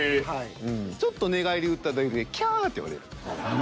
ちょっと寝返り打っただけでキャッて言われる。